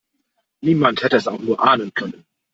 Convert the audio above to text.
Niemand hätte es auch nur ahnen können.